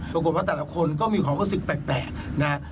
ปรากฏว่าแต่ละคนก็มีความรู้สึกแปลกนะฮะ